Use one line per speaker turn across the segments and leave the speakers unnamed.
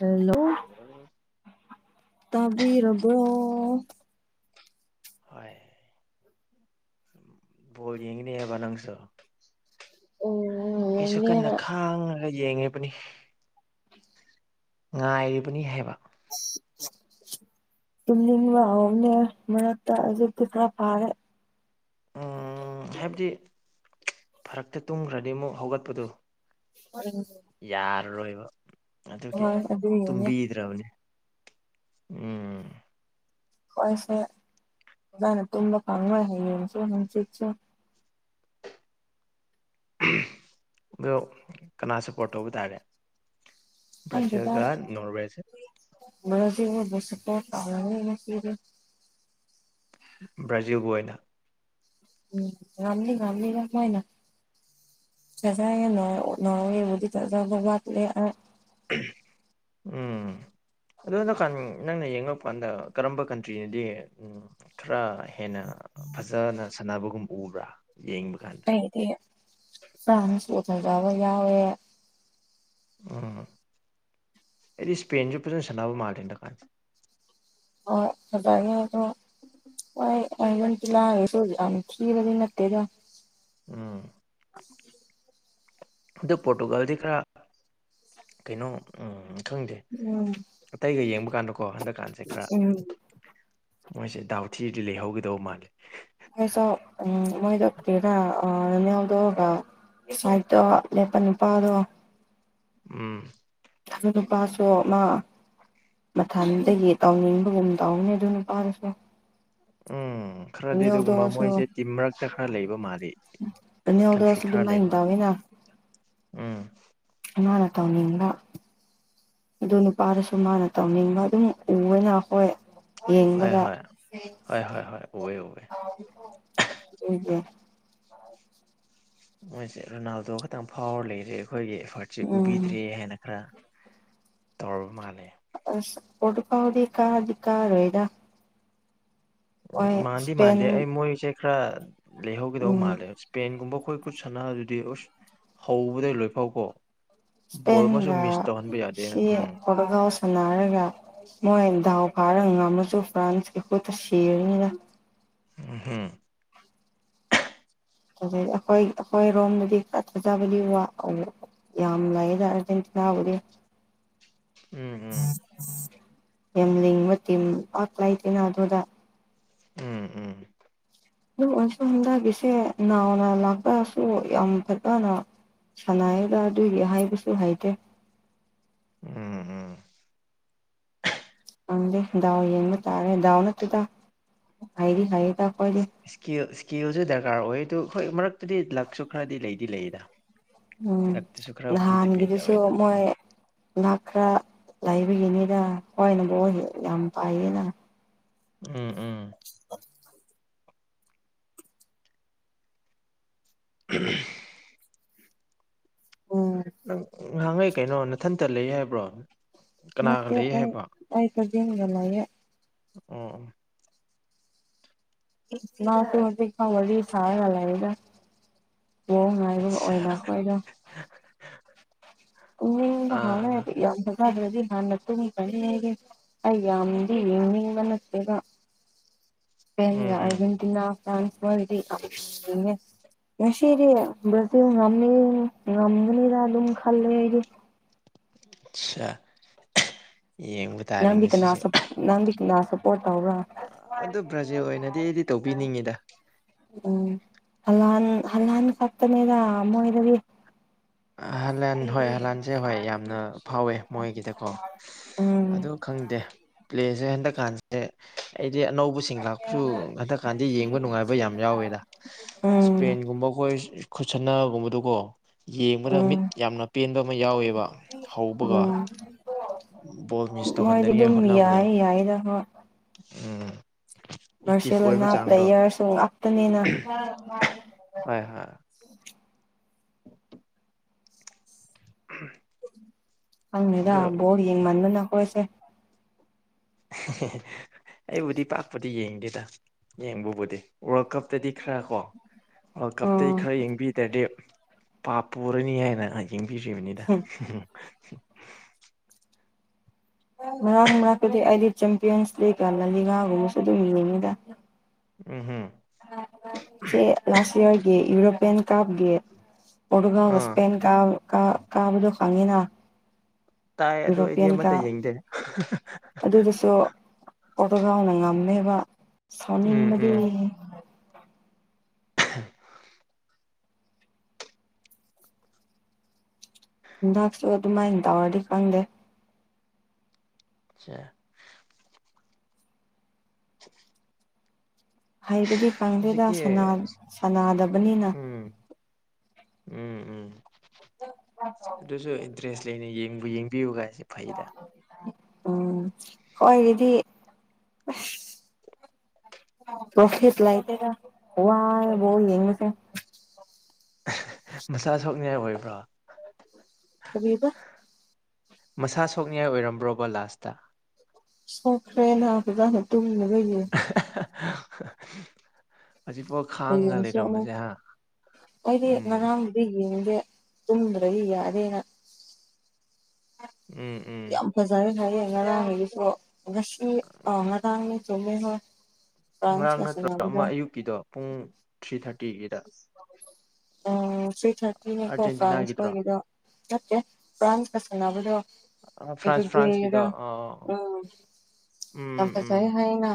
hello
ꯍꯣꯏ
ꯇꯕꯤꯔꯒꯣ
ꯍꯣꯏ ꯣꯜ ꯌꯦꯡꯅꯤ ꯍꯥꯏꯕ ꯅꯪꯁꯨ
ꯑꯣꯝ
ꯑꯩꯁꯨ ꯀꯟꯅ ꯈꯥꯡꯉꯒ ꯌꯦꯡꯉꯤꯕꯅꯤ ꯉꯥꯏꯔꯤꯕꯅꯤ ꯍꯥꯏꯕ
[unintelligible] ꯆꯨꯝꯅꯤꯡꯕ ꯑꯍꯣꯡꯅꯦ ꯃꯔꯛꯇ ꯍꯧꯖꯤꯛꯇꯤ ꯈꯔ ꯐꯥꯔꯦ
ꯎ ꯍꯥꯏꯕꯗꯤ ꯐꯔꯛꯇ ꯇꯨꯝꯈ꯭ꯔꯗꯤ ꯑꯃꯨꯛ ꯍꯧꯒꯠꯄꯗꯨ
ꯍꯔ
ꯔꯣꯏꯕ ꯑꯗꯨꯒꯤ
ꯑꯗꯨꯒꯤꯅꯦ
ꯇꯨꯝꯕꯤꯗ꯭ꯔꯕꯅꯦ ꯎꯝ
ꯑꯩꯣꯏꯁꯦ ꯑꯗꯨꯥꯏꯅ ꯇꯨꯝꯕ ꯈꯪꯉꯣꯏ ꯍꯌꯦ ꯌꯦꯡꯁꯨ ꯍꯅꯨꯡꯆꯤꯠꯁꯨ
ꯑꯗꯣ ꯀꯅꯥꯁꯨꯄꯣꯔꯠ ꯇꯧꯕ ꯇꯥꯒꯦ
ꯈꯪꯗꯦꯗ
ꯄ꯭ꯔꯥꯆꯤꯒ ꯅꯣꯔꯋꯦꯁꯦ
ꯁꯄꯔ
ꯕ꯭ꯔꯥꯖꯤꯜꯕꯨ ꯑꯣꯏꯅ
ꯎꯝ ꯉꯥꯟꯂꯤ ꯉꯥꯟꯂꯤ ꯔꯃꯥꯏꯅ ꯆꯖ ꯅꯕꯨꯗꯤ ꯆꯖ ꯒ ꯋꯥ
ꯎꯝ ꯑꯗꯨꯗꯣ ꯀꯥꯟ ꯅꯪꯅ ꯌꯦꯡꯉ ꯀꯥꯟꯗ ꯀꯔꯝꯕ ꯀꯟꯇ꯭ꯔꯤꯅꯗꯤ ꯈꯔ ꯍꯦꯟꯅ ꯐꯖꯅ ꯁꯥꯟꯅꯕꯒꯨꯝꯕ ꯎꯕ꯭ꯔꯥ ꯌꯦꯡꯕ ꯀꯥꯟꯗ
ꯑꯩꯗꯤ ꯐꯥꯅꯁꯨꯊꯖꯕ ꯌꯥꯎꯋꯦ
ꯎꯝ ꯑꯩꯗꯤ ꯏꯁꯄꯦꯟꯁꯨ ꯄꯖ ꯁꯅꯕꯅꯕ ꯃꯥꯔꯇꯗꯀꯥꯟ
ꯑꯣ ꯁꯗ ꯑꯗꯨꯣ ꯍ ꯑꯃꯟꯇ ꯂꯥꯑꯦꯅꯤ ꯊꯔꯗꯤ ꯅꯠꯇꯦꯗ
ꯎꯝ ꯑꯗꯨꯗ ꯄꯣꯔꯇꯨꯒꯜꯗꯤ ꯈꯔ ꯀꯩꯅꯣ ꯎꯝ ꯈꯪꯗꯦ
ꯎꯝ
ꯑꯇꯩꯒ ꯌꯦꯡꯕ ꯀꯥꯟꯗꯀꯣ ꯍꯟꯗꯛꯀꯥꯟꯁꯦ ꯈꯔ
ꯎꯝ
ꯃꯣꯏꯁꯦ ꯗꯥꯎ ꯊꯤꯔꯗꯤ ꯂꯩꯍꯧꯒꯗꯧꯕ ꯃꯥꯜꯂꯦ
ꯃꯣꯏꯗ ꯀꯔ ꯑ ꯅꯎꯗꯒ ꯁꯥꯏꯠꯇꯣ ꯂꯦꯞꯄ ꯅꯤꯄꯥꯗꯣ
ꯎꯝ
ꯊꯗ ꯅꯨꯄꯥꯁꯨ ꯃꯥ ꯃꯊꯟꯗꯒꯤ ꯇꯥꯎꯅꯤꯡꯕꯒꯨꯝ ꯇꯧꯅꯤ ꯑꯗꯨ ꯅꯨꯄꯥꯗꯨꯁꯨ
ꯎꯝ ꯈꯔꯗꯤ ꯑꯗꯨꯒꯨꯝꯕ
ꯔꯣꯅꯥꯜꯗꯣꯁꯨ
ꯃꯣꯏꯁꯦ ꯇꯤꯝ ꯃꯔꯛꯇ ꯈꯔ ꯂꯩꯕ ꯃꯥꯜꯂꯤ
ꯅꯅꯤꯎꯗꯁꯨ
ꯀꯟꯐ꯭ꯂꯤꯛ ꯈꯔ ꯂꯩꯕ ꯃꯥꯜꯂꯤ
ꯃꯥꯏꯗꯕꯅ
ꯎꯝ
ꯅ ꯇꯧꯅꯤꯗ ꯑꯗꯨ ꯅꯨꯄꯥꯗꯁꯨ ꯃꯥꯅ ꯇꯧꯅꯤꯡꯕ ꯑꯗꯨꯝ ꯎꯅ ꯍꯈꯣꯏ
ꯍꯣꯏ
ꯌꯦꯡꯕꯒ
ꯍꯣꯏ ꯍꯣꯏ ꯍꯣꯏ ꯍꯣꯏ ꯎꯋꯦ ꯎꯋꯦ
ꯎ
ꯃꯣꯏꯁꯦ ꯔꯣꯅꯥꯜꯗꯣ ꯈꯇꯪ ꯐꯥꯎꯔ ꯂꯩꯔꯦ ꯑꯩꯈꯣꯏꯒꯤ ꯑꯦꯐꯔꯠꯁꯦ
ꯎꯝ
ꯎꯕꯤꯗ꯭ꯔꯦ ꯍꯥꯏꯅ ꯈꯔ ꯇꯔꯕꯨ ꯃꯥꯅꯦ
ꯑꯣꯗꯨꯀꯥꯎꯗꯤ ꯀꯥꯗꯤ ꯀꯥꯔ ꯑꯣꯏꯣꯏꯗ
ꯎꯝ ꯃꯥꯟꯗꯦ ꯃꯥꯟꯗꯦ ꯑꯩ ꯃꯣꯏꯁꯦ ꯈꯔ ꯂꯩꯍꯧꯒꯗꯧꯕ
ꯎꯝ
ꯃꯥꯜꯂꯦ ꯏꯁꯄꯦꯟꯒꯨꯝꯕ ꯑꯩꯈꯣꯏ ꯈꯨꯠ ꯁꯥꯟꯅ ꯑꯗꯨꯗꯤ ꯑꯁ ꯍꯧꯕꯗꯒꯤꯩ ꯂꯣꯏ ꯐꯥꯎ ꯀꯣ
ꯏꯁꯄꯦꯟꯒ
ꯌꯥꯗꯦꯅ
ꯁꯤ
ꯎꯝ
ꯈꯣꯇꯒꯥꯎ ꯁꯥꯟꯅꯔꯒ ꯃꯣꯏ ꯗꯥꯎ ꯐꯥꯔ ꯉꯝꯃꯁꯨ ꯐ꯭ꯔꯥꯟꯁ ꯑꯩꯩꯈꯠꯇ ꯁꯤꯔꯅꯤꯗ
ꯍꯝ
ꯑꯗꯨꯗꯩꯗꯤ ꯑꯩꯈꯣꯏ ꯑꯩꯈꯣꯏ ꯔꯣꯝꯗꯗꯤ ꯈꯔ ꯊꯥꯖꯕꯗꯤ ꯋꯥ ꯌꯥꯝ ꯂꯩꯑꯗꯔꯖꯦꯟꯇꯤ ꯂꯎꯗꯦ
ꯎꯝ ꯎꯝ
ꯌꯥꯝꯂꯤꯡꯕꯤ ꯑꯣꯠꯂꯏꯇꯦꯅ ꯑꯗꯨꯗ
ꯎꯝ ꯎꯝ
ꯑꯗꯨ ꯑꯁꯨ ꯍꯝꯗꯥꯒꯤꯁꯦ ꯅꯥꯅ ꯂꯥꯛꯄꯁꯨ ꯌꯥꯝ ꯐꯕꯅ ꯁꯅꯥꯗ ꯑꯗꯨꯏꯒꯤ ꯍꯥꯏꯕꯁꯨ ꯍꯥꯏꯗꯦ
ꯎꯝ ꯎꯝ
ꯈꯪꯗꯦ ꯗꯥꯎ ꯌꯦꯡꯕ ꯇꯥꯔꯦ ꯗꯥꯎ ꯅꯠꯇꯦꯗ ꯍꯥꯏꯩꯗꯤ ꯍꯥꯏꯌꯦ ꯇ ꯈꯣꯏꯗꯤ
ꯀꯦꯜꯁꯨ ꯗꯔꯀꯥꯔ ꯑꯣꯏ ꯑꯗꯨ ꯍꯣꯏ ꯃꯔꯛꯇꯗꯤ ꯂꯛꯁꯨ ꯈꯔꯗꯤ ꯂꯩꯗꯤ ꯂꯩꯌꯦꯗ
ꯎꯝ ꯅꯥꯟꯅꯤꯒꯗꯤꯁꯨ
ꯇꯧꯋꯤꯗ
ꯃꯣꯏ ꯂꯥꯛ ꯈꯔ ꯂꯥꯏꯕꯒꯤꯅꯤꯗ ꯍꯋꯥꯏꯅꯕꯨ ꯌꯥꯝ ꯄꯥꯏꯌꯦꯅ
ꯎꯝ ꯎꯝ [inaudible]
ꯎꯝ
ꯅꯪꯍꯥꯡꯉꯩ ꯀꯩꯅꯣ ꯅꯊꯟꯇ ꯂꯩ ꯍꯥꯏꯕ꯭ꯔꯣ
ꯃꯦ
ꯀꯅꯥꯒ ꯂꯩ
ꯑꯩ
ꯍꯥꯏꯕ
ꯑꯩꯁ ꯌꯦꯟꯒꯂꯌꯦ
ꯑꯣ
ꯇꯗꯤ ꯏꯗꯤ ꯁꯥ ꯉ ꯂꯗ ꯃꯡ ꯉꯥꯏꯕ
ꯑꯠꯆꯥ
ꯑꯣꯏꯅ ꯑꯩꯈꯣꯏꯗ
ꯑꯥ
ꯥꯎꯅꯥ
ꯑꯥ
ꯌꯥ ꯗꯗꯤ ꯍꯥꯟꯅꯠꯇꯨꯃꯤ ꯀꯅꯤꯒꯦ ꯑꯩ ꯌꯥꯝꯗꯤ ꯌꯦꯡꯅꯤꯡꯕ ꯅꯠꯇꯦꯒ
[inaudible]
ꯄꯦ
ꯎꯝ ꯎꯝ
ꯑꯔꯖꯦꯟꯇꯤꯅꯥ ꯐ꯭ꯔꯥꯟꯁꯔ ꯌꯥꯝ ꯁꯤꯔꯤ ꯏꯕꯗꯤ ꯉ ꯉꯃꯤꯅꯦꯗ ꯑꯗꯨ ꯈꯂꯗꯤ
ꯑꯆꯥ ꯌꯦꯡꯕ ꯇꯥꯔꯦ
ꯅꯪꯗꯤ
ꯉ
ꯀꯅꯥ
ꯁꯤꯁꯦ
ꯅꯪꯗꯤ ꯀꯅꯥ ꯁꯞꯄꯣꯔꯠ ꯇꯧꯕ꯭ꯔꯥ
ꯑꯗꯨ ꯕ꯭ꯔꯥꯖꯤꯜ ꯑꯣꯏꯅꯗꯤ ꯑꯩꯗꯤ ꯇꯧꯕꯤꯅꯤꯡꯉꯤꯗ
ꯎꯝ ꯍꯜꯂꯥꯟ ꯍꯜꯂꯥꯟ ꯈꯛꯇꯅꯦꯔ ꯃꯣꯏꯗꯤ
ꯑ ꯍꯜꯂꯥꯟ ꯍꯣꯏ ꯍꯂꯥꯟꯁꯦ ꯍꯣꯏ ꯌꯥꯝꯅ ꯐꯥꯎꯋꯦ ꯃꯣꯏꯒꯤꯗꯀꯣ
ꯎꯝ
ꯑꯗꯨ ꯈꯪꯗꯦ ꯄ꯭ꯂꯦꯁꯦ ꯍꯇ ꯀꯥꯟꯁꯦ ꯑ ꯑꯅꯧꯕꯁꯤꯡ ꯂꯥꯛꯄꯁꯨ ꯍꯟꯗꯛ ꯀꯥꯟꯗꯤ ꯌꯦꯡꯕ ꯅꯨꯡꯉꯥꯏꯕ ꯌꯥꯝ ꯌꯥꯎꯋꯦꯗ
ꯎꯝ
ꯏꯁꯄꯦꯟꯒꯨꯝꯕ ꯑꯩꯈꯣꯏ ꯈꯨꯠꯁꯟꯅꯒꯨꯝꯕꯗꯨꯀꯣ ꯌꯦꯡꯕꯗ
ꯎꯝ
ꯃꯤꯠ ꯌꯥꯝꯅ ꯄꯦꯟꯕ ꯑꯃ ꯌꯥꯎꯋꯦꯕ ꯍꯧꯕꯒ
ꯎꯝ
ꯕꯣꯜ ꯃꯤꯁ
ꯃꯣꯏꯗꯤ
ꯇꯧꯍꯟꯗꯅꯤꯡꯉꯥꯏ
ꯑꯗꯨꯝ
ꯍꯣꯠꯅꯕꯗꯣ
ꯌꯥꯏ ꯌꯥꯏꯗ ꯍꯣꯏ
ꯎꯝ ꯑꯦꯛꯇꯤꯚ ꯑꯣꯏꯕ
ꯃꯔꯔꯁꯤꯂꯣꯅꯥ
ꯆꯥꯡꯗꯣ
ꯄ꯭ꯂꯦꯌꯔꯁꯨ ꯑꯇꯅꯦꯅ
[inaudible] ꯝ
ꯍꯪꯅꯤꯦꯗ ꯕꯣꯔ ꯌꯦꯡꯃꯟꯕꯅꯈꯣꯏꯁꯦ
ꯑꯩꯕꯨꯗꯤ ꯄꯥꯛꯄꯗꯤ ꯌꯦꯡꯗꯦꯗ ꯌꯦꯡꯕꯕꯨꯗꯤ ꯋꯥꯔꯜ ꯀꯞꯇꯗꯤ ꯈꯔ ꯀꯣ ꯑ ꯀꯞꯇ
ꯎꯝ
ꯈꯔ ꯌꯦꯡꯕꯤꯗ꯭ꯔꯗꯤ ꯄꯥꯞ ꯄꯨꯔꯅꯤ ꯍꯥꯏꯅ ꯌꯦꯡ ꯄꯕꯤꯔꯤꯕꯅꯤꯗ
ꯃꯔꯛ ꯃꯔꯛꯀꯨꯗꯤ ꯑꯩꯗꯤ ꯆꯦꯝꯄꯤꯌꯟꯁ ꯂꯩ ꯀꯅꯜꯂꯤꯒꯒꯨꯝꯕꯁꯨ ꯑꯗꯨꯝ ꯌꯦꯡꯉꯤꯗ
ꯎꯝ ꯍꯝ
ꯆꯦ ꯂꯥꯁ ꯏꯌꯥꯔꯒꯤ ꯌꯨꯔꯣꯄꯌꯥꯟ ꯀꯥꯞꯒꯤ ꯄꯣꯇꯨꯒꯜ
ꯑꯥ
ꯁꯄꯦꯟ ꯀꯥ ꯀꯥ ꯀꯥꯕꯨꯗꯨ ꯁꯥꯡꯉꯅꯥ
ꯇꯥꯏ ꯑꯗꯨ ꯑꯩꯗꯤ ꯑꯃꯠꯇ ꯌꯦꯡꯗꯦ
ꯑꯗꯨꯗꯁꯨ ꯑꯣꯇꯣꯒꯥꯎꯅ ꯉꯝꯃꯦꯕ
ꯎꯝ
ꯁꯥꯎꯅꯤꯡꯕꯗꯤ
ꯎꯝ [inaudible]
ꯅꯥꯛꯁꯨ ꯑꯣ ꯑꯗꯨꯃꯥꯏ ꯇꯋꯥꯗꯤ ꯈꯪꯗꯦ
ꯑ [inaudible]
ꯍꯥꯏꯕꯗꯤ ꯀꯥꯡꯗꯦꯗ
ꯍꯧꯖꯤꯛꯇꯤ
ꯁꯅꯥꯗꯕꯅꯤꯅ
ꯎꯝ ꯎꯝ ꯎꯝ ꯑꯗꯨꯁꯨ ꯏꯟꯇꯔꯦꯁ ꯂꯩꯅ ꯌꯦꯡꯕꯨ ꯌꯦꯡꯕꯤꯌꯨꯒꯥꯏ
ꯑꯣ ꯎꯝ ꯍꯣꯏ ꯑꯗꯨꯗꯤ ꯄꯣꯐꯦꯠ ꯂꯥꯏꯇꯦꯒ ꯋꯥ ꯣ ꯌꯦꯁꯦ
ꯃꯆꯥ ꯁꯣꯛꯅꯤꯡꯉꯥꯏ ꯑꯣꯏꯕ꯭ꯔꯥ
ꯀꯕꯤꯕ
ꯃꯁꯥ ꯁꯣꯛꯅꯤꯡꯉꯥꯏ ꯑꯣꯏꯔꯝꯕ꯭ꯔꯣꯕ ꯂꯥꯁꯇ
ꯁꯣꯈ꯭ꯔꯦꯅꯗ ꯇꯨꯕꯤꯅ ꯂꯩꯏꯌꯦ
[inaudible]
ꯍ
ꯈꯥꯡꯉ
ꯌꯦꯡꯁꯨ ꯑꯃ
ꯂꯩꯔꯝꯕꯁꯦ ꯍꯥ
ꯑꯩꯗꯤ
ꯎꯝ
ꯉꯔꯥꯡꯕꯨꯗꯤ ꯌꯦꯡꯉ ꯦ ꯇ꯭ꯔ ꯏ ꯑꯗꯦꯅ
ꯎꯝ ꯎꯝ
ꯌꯥꯝ ꯐꯖꯔꯦ ꯍꯥꯏꯌꯦꯦ ꯉꯔꯥꯡꯒꯤꯁꯨ ꯉꯁꯤ ꯑ ꯉꯔꯥꯡꯅꯤ ꯁꯨꯍ
ꯉꯔꯥꯡ ꯅꯠꯇ꯭ꯔ ꯑꯃ ꯑꯌꯨꯛꯀꯤꯗꯣ ꯄꯨꯡ ꯊ꯭ꯔꯤ ꯊꯥꯔꯇꯤꯒꯤꯗ
ꯑꯣ ꯊ꯭ꯔꯤ ꯊꯥꯔꯇꯤꯅꯦꯀꯣ
ꯑꯥꯔꯖꯦꯟꯇꯤꯅꯥꯒꯤꯗ꯭ꯔꯣ
ꯐ꯭ꯔꯥꯟꯁꯈꯣꯏꯒꯤꯗ ꯃꯦ ꯄ꯭ꯔꯥꯥꯟ ꯐꯁꯅꯕꯗꯨ
ꯐ꯭ꯔꯥꯟꯁ ꯐ꯭ꯔꯥꯟꯁꯀꯤꯗꯣ
ꯑꯗꯨꯒꯦꯔ
ꯑꯥ
ꯑ ꯌꯥꯝ
ꯎꯝ ꯎꯝ
ꯄꯁꯥꯏ ꯍꯥꯏꯅ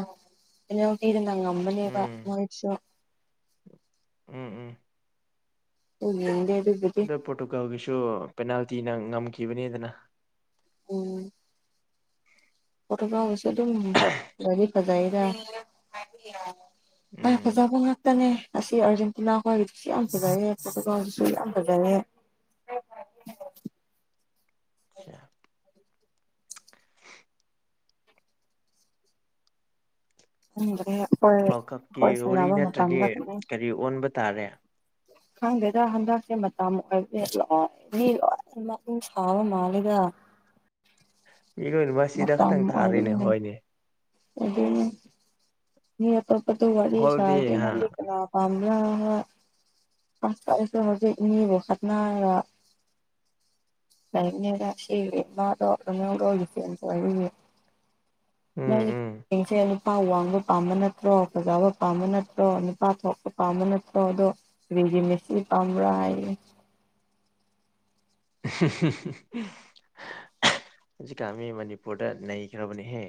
ꯑ ꯉꯣꯇꯤꯅ ꯉꯝꯕꯅꯤꯕ
ꯎꯝ
ꯃꯣꯏꯆꯣ
ꯎꯝ ꯎꯝ
ꯎꯦ
ꯑꯗ ꯄꯣꯔꯇꯨꯒꯥꯜꯒꯤꯁꯨ ꯄꯦꯅꯥꯜꯇꯤꯅ ꯉꯝꯈꯤꯕꯅꯤꯗꯅ
ꯎꯝ ꯐꯇꯒ꯭ꯔꯁ ꯑꯗꯨ ꯂꯗꯤ ꯐꯖꯗ ꯄꯥꯏ
ꯎꯝ
ꯐꯖꯥꯕ ꯉꯥꯛꯇꯅꯦ ꯑꯁꯤ ꯑꯥꯔꯖꯦꯟꯇꯤꯅꯥ ꯈ ꯑꯣꯏꯒꯤꯗꯨꯁꯨ ꯌꯥꯝ ꯐꯖꯔꯦ ꯄꯣꯔꯇꯨꯒꯜꯁꯤꯁꯨ ꯌꯥꯝ ꯐꯖꯔꯦ
ꯑꯆꯥ
ꯊꯅꯤ
ꯋꯥꯔꯜ ꯀꯞꯀꯤ ꯋꯥꯔꯤ ꯅꯠꯇ꯭ꯔꯗꯤ
ꯃꯇꯝꯗ
ꯀꯔꯤ ꯑꯣꯟꯕ ꯇꯥꯔꯦ
ꯈꯥꯡꯗꯦꯗ ꯍꯟꯗꯁꯦ ꯃꯇꯝ ꯑꯣꯏꯔꯗꯤ ꯂꯣꯏ ꯃꯤ ꯂꯣꯏꯅ ꯃꯅꯤꯡ ꯊꯥꯕ ꯃꯥꯜꯂꯤꯦꯗ
[inaudible] ꯏꯔꯣꯏꯅꯨꯕ ꯁꯤꯗ ꯈꯇꯪ ꯊꯥꯔꯤꯅꯦ ꯍꯣꯏꯅꯦ
ꯑꯣꯗ ꯃꯤ ꯄꯊꯣꯋꯥꯗ
ꯍꯣꯜꯗꯤ
ꯁꯥꯥꯔꯇ ꯏꯅꯥ
ꯍꯥ
ꯂꯄꯅꯥ ꯄꯥ ꯄꯥꯁ ꯇ ꯍꯧꯖꯤ ꯏꯅꯦꯕ ꯈꯗꯅ ꯀꯔ ꯁꯤ ꯃꯥꯗꯧꯔꯅ ꯣꯂ ꯀꯔꯤꯦ
ꯎꯝ ꯎꯝ
ꯅꯦꯡꯁꯦ ꯅꯨꯄꯥ ꯋꯥ ꯄꯥꯝꯕ ꯅꯠꯇ꯭ꯔꯣ ꯄꯖꯥꯕ ꯄꯥꯝꯕ ꯅꯠꯇ꯭ꯔꯣ ꯅꯨꯄꯥ ꯊꯣꯛꯄ ꯄꯥꯝꯕ ꯅꯠꯇ꯭ꯔꯣ ꯑꯗꯣ ꯔꯦꯗꯤꯃꯦꯠꯁꯤ ꯀꯔꯥꯏ
ꯍ ꯍꯧꯖꯤꯛꯀꯥꯟ ꯃꯤ ꯃꯅꯤꯄꯨꯔꯗ ꯅꯩꯈ꯭ꯔꯕꯅꯦꯍꯦ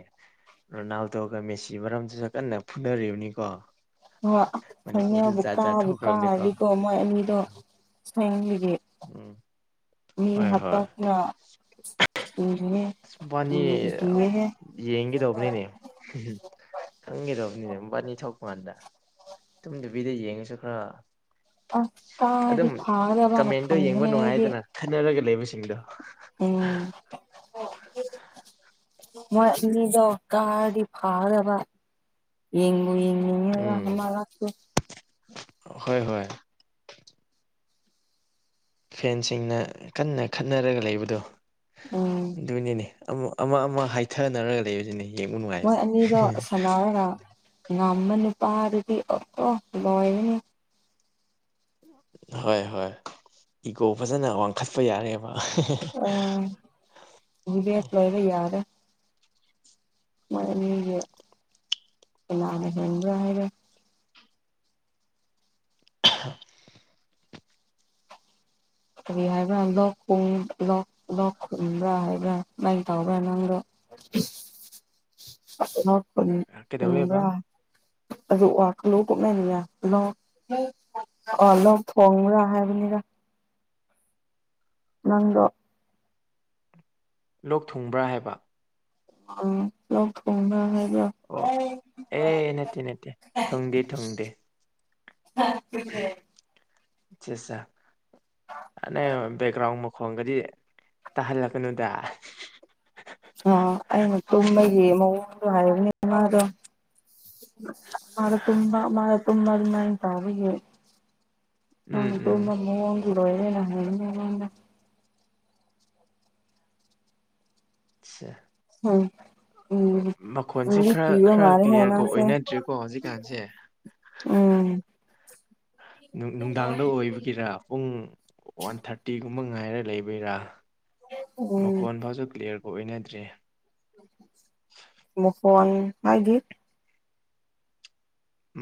ꯔꯣꯅꯥꯜ ꯇꯣꯒ ꯃꯦꯁꯤ ꯃꯔꯝꯗꯨꯁꯨ ꯀꯟꯅ ꯐꯨꯅꯔꯤꯕꯅꯤꯀꯣ
ꯀ
ꯃꯅꯤꯄꯨꯔꯗ ꯖꯥꯠ
ꯚꯀꯥ
ꯖꯥꯠ
ꯀꯥ
ꯊꯣꯛꯈ꯭ꯔꯕꯅꯦꯀꯣ
ꯍꯥꯏꯀꯣ ꯃꯣꯏꯅꯤꯗ ꯍꯒ
ꯎꯝ
ꯃꯤ
ꯍꯣꯏ ꯍꯣꯏ
ꯍꯥꯇꯥꯅ
ꯑꯁꯕꯥꯅꯤ ꯌꯦꯡꯒꯗꯧꯕꯅꯤꯅꯦ ꯈꯪꯒꯗꯧꯕꯅꯤ ꯅꯤꯅ ꯃꯄꯥꯅꯤ ꯊꯣꯛꯄ ꯀꯥꯟꯗ ꯇꯨꯝꯗꯕꯤꯗ ꯌꯦꯡꯉꯁꯨ ꯈꯔ
ꯑꯁ
ꯑꯗꯨꯝ
ꯀꯥꯔꯗꯤ ꯐꯥꯒꯗꯕꯅ
ꯀꯃꯦꯟꯗꯣ ꯌꯦꯡꯕ
ꯈꯟꯕꯅꯦ ꯑꯩꯗꯤ
ꯅꯨꯡꯉꯥꯏꯗꯅ ꯈꯟꯅꯔꯒ ꯂꯩꯕꯁꯤꯡꯗꯣ
ꯎꯝ ꯃꯣꯏ ꯃꯤꯗꯣ ꯀꯥꯔꯗꯤ ꯐꯗꯕ ꯌꯦꯡ ꯑꯩꯣꯏ
ꯎꯝ
ꯂꯥꯛ
ꯍꯣꯏ ꯍꯣꯏ ꯐꯦꯟꯁꯤꯡꯅ ꯀꯟꯅ ꯈꯠꯅꯔꯒ ꯂꯩꯕꯗꯣ
ꯎꯝ
ꯑꯗꯨꯅꯤꯅꯦ ꯑꯃ ꯑꯃ ꯑꯃ ꯍꯥꯏꯊꯅꯔꯒ ꯂꯩꯕꯁꯤꯅꯤ
ꯃꯣꯏ ꯑꯅꯤꯗꯣ ꯁꯅꯔꯒ ꯉꯝꯃ ꯅꯨꯄꯥ ꯑꯗꯨꯗꯤ ꯑ ꯑꯣ ꯂꯣꯏꯔꯅꯤ
ꯍꯣꯏ ꯍꯣꯏ ꯏꯒꯣ ꯐꯖꯅ ꯋꯥꯡꯈꯠꯄ ꯌꯥꯔꯦꯕ [inaudible]
ꯑ ꯗꯤꯕꯦꯠ ꯃꯦꯗ ꯍꯥꯏꯔ ꯀꯔꯤ ꯍꯥꯏꯕ꯭ꯔꯥ ꯂꯣꯛꯣꯛ ꯂꯣꯛ ꯈꯕ꯭ꯔꯥ ꯍꯥꯏꯕ꯭ꯔꯥ ꯁꯨꯃꯥꯏꯅ ꯇꯧꯕ꯭ꯔꯥ ꯅꯪꯗꯣ [inaudible]
[inaudible] [inaudible]
ꯑ ꯎ꯭ꯔꯥ
ꯀꯩꯗꯧꯋꯦꯕ
ꯀꯂꯣ ꯃꯅꯤ ꯂ ꯑ ꯑꯗꯨꯣ ꯊꯣꯡꯕ꯭ꯔꯥ ꯍꯥꯏꯕꯅꯤꯗ ꯅꯪꯒꯣ
ꯂꯣꯛ ꯊꯨꯡꯕ꯭ꯔꯥ ꯍꯥꯏꯕ
ꯑ ꯂꯧ ꯊ ꯐꯗ ꯍꯥꯏ
ꯑꯣ ꯑꯦꯅꯦꯇꯅꯦꯇꯦ ꯊꯨꯡꯗꯤꯦ ꯊꯨꯡꯗꯦ
ꯑ
ꯒ꯭ꯔꯥꯎꯟ ꯃ ꯈꯣꯡꯒꯗꯤ ꯇꯥꯍꯜꯂꯛꯀꯅꯨꯗ
ꯃ ꯍꯥꯏ ꯃꯥꯗꯣ ꯃꯥꯔ ꯇꯨꯝꯃ ꯃꯥꯔ ꯇꯨꯝꯃ ꯑꯗꯨꯅꯥꯏ ꯇ ꯍꯧꯒ ꯅꯪ
ꯎꯝ
ꯇ
ꯎꯝ
ꯅꯣꯣꯦꯅ
ꯑꯦ
ꯎꯝ ꯎꯝ
ꯃꯈꯣꯟꯁꯦ
ꯀꯤꯗꯤ
ꯈꯔ
ꯀꯤꯕ
ꯈꯔ
ꯃꯥꯜꯂꯦꯍꯦ
ꯀ꯭ꯂꯤꯌꯥꯔꯒ
ꯅꯪꯁꯦ
ꯑꯣꯏꯅꯗ꯭ꯔꯦꯀꯣ ꯍꯧꯖꯤꯛꯀꯥꯟꯁꯦ
ꯎꯝ
ꯅꯨꯡꯗꯥꯡꯗ ꯑꯣꯏꯕꯒꯤꯔꯥ ꯄꯨꯡ ꯋꯥꯟ ꯊꯥꯔꯇꯤꯒꯨꯝꯕ ꯉꯥꯏꯔ ꯂꯩꯕꯒꯤꯔ
ꯎꯝ
ꯃꯀꯣꯟ ꯐꯥꯁꯨ ꯀ꯭ꯂꯤꯌꯥꯔꯒ ꯑꯣꯏꯅꯗ꯭ꯔꯦ
ꯃ ꯐꯣꯟ ꯃꯥꯒꯤꯦ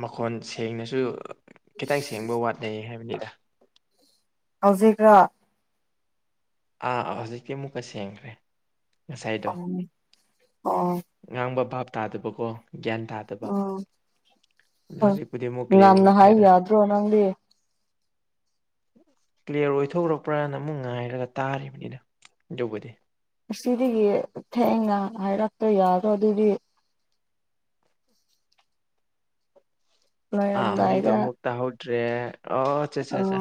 ꯃꯈꯣꯟ ꯁꯦꯡꯅꯁꯨ ꯈꯤꯇꯪ ꯁꯦꯡꯕ ꯋꯥꯠꯅꯩ ꯍꯥꯏꯕꯅꯤꯗ
ꯍꯧꯖꯤꯛꯀ
ꯑꯥ ꯑꯥ ꯍꯧꯖꯤꯛꯇꯤ ꯑꯃꯨꯛꯀ ꯁꯦꯡꯈ꯭ꯔꯦ ꯉꯁꯥꯏꯗꯣ
ꯎꯝ ꯑꯣ
ꯉꯥꯡꯕ ꯚꯥꯞ ꯇꯥꯗꯕꯀꯣ ꯒ꯭ꯌꯥꯟ ꯇꯥꯗꯕ ꯑꯗꯣ
ꯎꯝ
ꯍꯧꯖꯤꯛꯄꯨꯗꯤ ꯑꯃꯨꯛ ꯀ꯭ꯂꯤꯌꯥꯔ
ꯉꯥꯟꯅ ꯍꯥꯏ
ꯑꯣꯏꯈ꯭ꯔꯦꯗ
ꯌꯥꯗ꯭ꯔꯣ ꯅꯪꯗꯤ
ꯀ꯭ꯂꯤꯌꯥꯔ ꯑꯣꯏꯊꯣꯛꯈ꯭ꯔꯄ꯭ꯔꯅ ꯑꯃꯨꯛ ꯉꯥꯏꯔꯒ ꯇꯥꯔꯤꯕꯅꯤꯅ ꯌꯧꯕꯗꯤ
ꯑꯁꯤꯗꯒꯤ ꯊꯦꯡꯅ ꯍꯥꯏꯔꯛꯇ ꯌꯥꯔꯣ ꯑꯗꯨꯗꯤ
ꯑ ꯍꯧꯖꯤ
ꯂꯣꯏꯔꯝꯗꯥꯏꯗ
ꯏ ꯃꯨꯛꯇꯛꯇ ꯍꯗ꯭ꯔꯦ
ꯑ
ꯑꯣꯆꯥꯆꯥꯆꯥ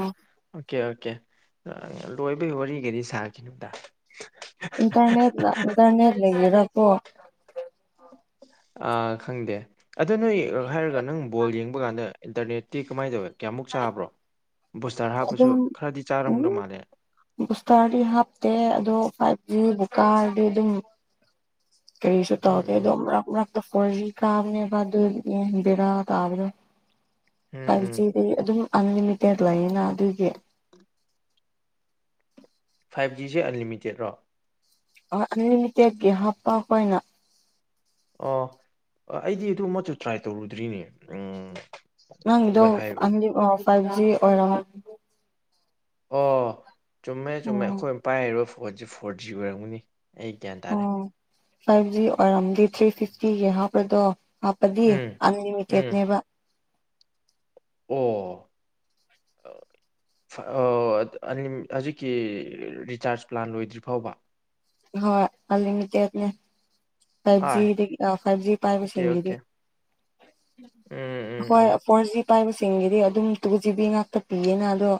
ꯑꯣꯀꯦ ꯑꯣꯀꯦ ꯂꯣꯏꯕꯒꯤ ꯋꯥꯔꯤꯒꯗꯤ ꯁꯥꯈꯤꯅꯣꯗ
ꯏꯟꯇꯔꯅꯦꯦ ꯏꯔꯂ ꯏꯟꯗꯔꯅꯦꯦ ꯏꯔꯂ ꯌꯦꯔꯄꯣ
ꯑ ꯈꯪꯗꯦ ꯑꯗꯣ ꯅꯣꯏ ꯍꯥꯏꯔꯒ ꯅꯪ ꯕꯣꯜ ꯌꯦꯡꯕ ꯀꯥꯟꯗ ꯏꯟꯇꯔꯅꯦꯠꯇꯤ ꯀꯃꯥꯏꯅ ꯇꯧꯋꯦ ꯀꯌꯥꯃꯨꯛ ꯆꯥꯕ꯭ꯔꯣ ꯕꯨꯁꯇꯔ
ꯑꯗꯨ
ꯍꯥꯞꯄꯁꯨ ꯈꯔꯗꯤ
ꯎ
ꯆꯥꯔꯝꯗꯧ ꯃꯥꯜꯂꯦ
ꯕꯨꯁꯇꯔꯗꯤ ꯍꯥꯞꯇꯦ ꯑꯗꯣ ꯐꯥꯏꯚꯖꯤ ꯕꯨꯀꯥꯔꯗꯤ ꯑꯗꯨꯝ ꯀꯔꯤꯁꯨ
ꯎꯝ
ꯇꯧꯗꯦ
ꯎꯝ
ꯑꯗꯨꯝ ꯃꯔꯛꯔꯛ ꯈꯣꯏ ꯀꯥꯝꯅꯦ ꯑꯗꯨꯗꯥ ꯇꯥꯕꯗ
ꯎꯝ
ꯐꯥꯏꯚ
ꯎꯝ
ꯖꯤꯗꯤ ꯑꯗꯨꯝ ꯑꯟꯂꯤꯃꯤꯇꯦꯠ ꯂꯩꯌꯦꯅ ꯑꯗꯨꯒꯤ
ꯐꯥꯏꯚ ꯖꯤꯁꯦ ꯑꯟꯂꯤꯃꯤꯇꯦꯠꯔꯣ
ꯑꯟꯂꯤꯃꯤꯇꯦꯠ ꯍꯥꯞꯄ ꯍꯅ
ꯑ ꯑꯩꯗꯤ ꯑꯗꯨ ꯃꯆꯨ ꯇ꯭ꯔꯥꯏ ꯇꯧꯔꯨꯗ꯭ꯔꯤꯅꯦ ꯎꯝ
ꯅꯪꯗꯣ
ꯋꯥꯏꯐꯥꯏ
ꯐꯥꯏꯚ ꯑꯣꯏꯔ
ꯑꯣ ꯆꯨꯝꯃꯦ ꯆꯨꯝꯃꯦ
ꯎꯝ
ꯑꯩꯈꯣꯏꯅ ꯄꯥꯏꯔꯤꯕ ꯐꯣꯟꯁꯦ ꯐꯣꯔ ꯖꯤ ꯑꯣꯏꯔꯝꯒꯅꯤ ꯑꯩ ꯒ꯭ꯌꯥꯟ ꯇꯥꯔꯦ
ꯑꯣ ꯐꯥꯏꯚ ꯖꯤ ꯑꯣꯏꯔꯝꯗꯤ ꯊ꯭ꯔꯤ ꯁꯤꯛꯁꯇꯤꯒꯤ ꯍꯥꯞꯄ꯭ꯔꯗꯣ ꯑꯄꯗꯤ
ꯎꯝ ꯎꯝ
ꯑꯟꯂꯤꯃꯤꯇꯦꯠꯅꯦꯕ
ꯑꯣ ꯍꯧꯖꯤꯛꯀꯤ ꯔꯤꯆꯥꯔꯖ ꯄ꯭ꯂꯥꯟ ꯂꯣꯏꯗ꯭ꯔꯤ ꯐꯥꯎꯕ
ꯍꯣꯏ ꯑꯗꯤꯗꯅꯦ
ꯑꯥꯏ
ꯐꯥꯏꯚ ꯤ ꯑ ꯐꯥꯏꯚ ꯖꯤ
ꯑꯣꯀꯦ ꯑꯣꯀꯦ
ꯄꯥꯏꯕꯁꯤꯡꯦꯡꯗꯤ
ꯎꯝ ꯎꯝ
ꯍꯣꯏ
ꯎꯝ
ꯄꯔꯖꯤ ꯄꯥꯏꯁ ꯁꯤꯡꯒꯤꯗꯤ ꯑꯗꯨꯝ ꯇꯨ ꯖꯤꯕꯤ ꯉꯥꯛꯇ ꯄꯤꯌꯦꯅ ꯑꯗꯣ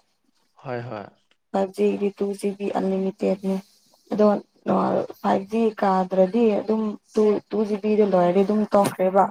ꯍꯣꯏ ꯍꯣꯏ
ꯐꯥꯏꯚ ꯖꯤꯒꯤꯗꯤ ꯇꯨ ꯖꯤ ꯕꯤ ꯑꯟꯂꯤꯃꯤꯇꯦꯠꯅꯦ ꯑꯗꯣ ꯐꯥꯏꯚ ꯖꯤ ꯀꯥꯗ꯭ꯔꯗꯤ ꯑꯗꯨꯝ ꯇ ꯇꯨ ꯖꯤꯕꯤꯗ ꯂꯣꯏꯔꯗꯤ ꯑꯗꯨꯝ ꯇꯧꯈ꯭ꯔꯦꯕ